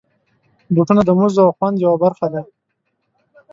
بوټونه د مزو او خوند یوه برخه ده.